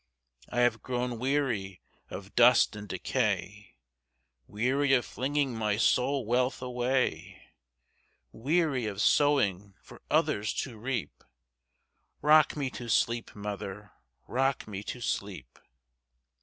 I have grown weary of dust and decay,—Weary of flinging my soul wealth away; Weary of sowing for others to reap;—Rock me to sleep, mother,—rock me to sleep!